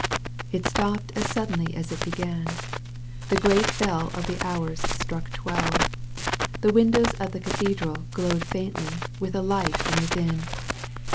It stopped as suddenly as it began. The great bell of the hours struck twelve. The windows of the cathedral glowed faintly with a light from within.